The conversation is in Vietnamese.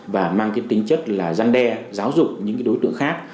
và mang cái tính chất là răn đe giáo dục những cái đối tượng khác